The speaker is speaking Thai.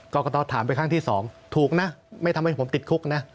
ก็ต้องถามไปครั้งที่๒ถูกนะไม่ทำให้ผมติดคุกนะ